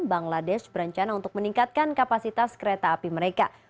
bangladesh berencana untuk meningkatkan kapasitas kereta api mereka